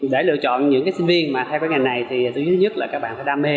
để lựa chọn những sinh viên theo cái ngành này thì thứ nhất là các bạn phải đam mê